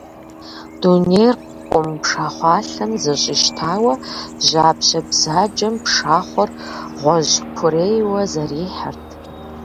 Дунейр къум пшахъуалъэм зэщӀищтауэ, жьапщэ бзаджэм пшахъуэр гъуэжькурийуэ зэрихьэрт.